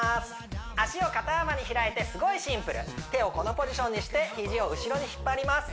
足を肩幅に開いてすごいシンプル手をこのポジションにして肘を後ろに引っ張ります